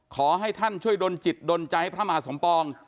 ขอให้ท่านช่วยดนจิตดนใจให้พระมหาสมปอง